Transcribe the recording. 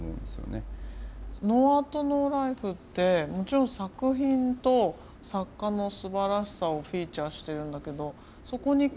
「ｎｏａｒｔ，ｎｏｌｉｆｅ」ってもちろん作品と作家のすばらしさをフィーチャーしてるんだけどそこにかいま見える